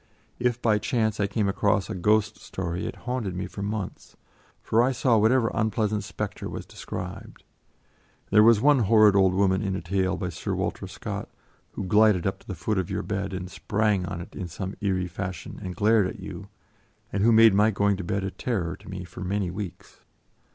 If by chance I came across a ghost story it haunted me for months, for I saw whatever unpleasant spectre was described; and there was one horrid old woman in a tale by Sir Walter Scott, who glided up to the foot of your bed and sprang on it in some eerie fashion and glared at you, and who made my going to bed a terror to me for many weeks.